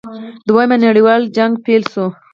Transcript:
دویم نړیوال جنګ پیل شو.